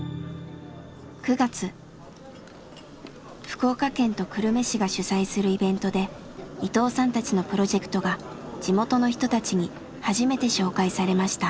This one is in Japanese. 福岡県と久留米市が主催するイベントで伊藤さんたちのプロジェクトが地元の人たちに初めて紹介されました。